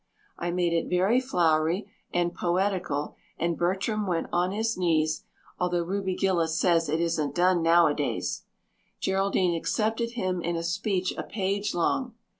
I made it very flowery and poetical and Bertram went on his knees, although Ruby Gillis says it isn't done nowadays. Geraldine accepted him in a speech a page long.